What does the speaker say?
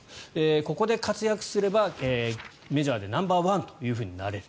ここで活躍すれば、メジャーでナンバーワンとなれる。